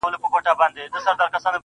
هغه ښايسته بنگړى په وينو ســـور دى.